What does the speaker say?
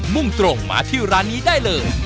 ่งตรงมาที่ร้านนี้ได้เลย